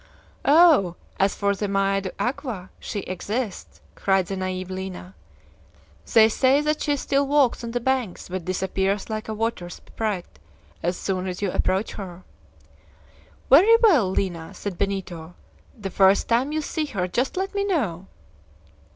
"Oh, as for the 'Mae d'Aqua,' she exists!" cried the naïve Lina; "they say that she still walks on the banks, but disappears like a water sprite as soon as you approach her." "Very well, Lina," said Benito; "the first time you see her just let me know."